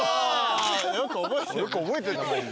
よく覚えてたね。